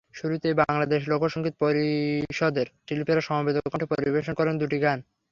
শুরুতেই বাংলাদেশ লোকসংগীত পরিষদের শিল্পীরা সমবেত কণ্ঠে পরিবেশন করেন দুটি গান।